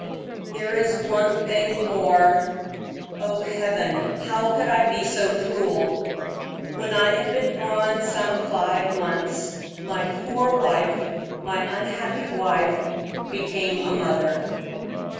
"There is one thing more oh, Heaven! how could I be so cruel? when I had been gone some five months, my poor wife, my unhappy wife, became a mother."